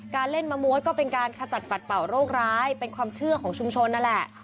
เล่นมะมวดก็เป็นการขจัดปัดเป่าโรคร้ายเป็นความเชื่อของชุมชนนั่นแหละ